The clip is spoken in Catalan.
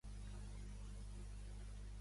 Turnus va escollir a la seva primera dona?